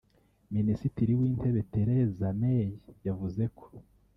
Minisitiri w’intebe Theresa May yavuze ko